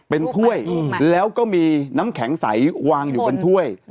เป็นถ้วยแล้วก็มีน้ำแข็งใสวางอยู่บนถ้วย